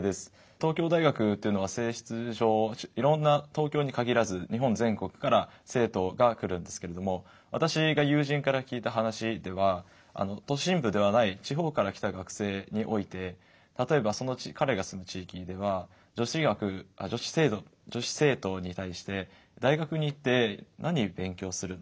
東京大学というのは性質上いろんな東京に限らず日本全国から生徒が来るんですけれども私が友人から聞いた話では都心部ではない地方から来た学生において例えばその彼が住む地域では女子生徒に対して大学に行って何勉強するの？